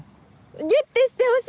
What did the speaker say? ギュッてしてほしい